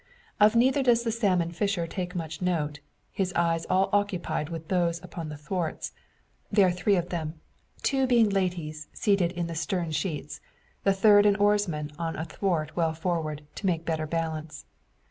Of neither does the salmon fisher take much note; his eyes all occupied with those upon the thwarts. There are three of them, two being ladies seated in the stern sheets, the third an oarsman on a thwart well forward, to make better balance.